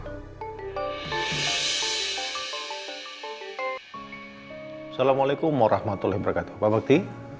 assalamualaikum warahmatullahi wabarakatuh pak bakti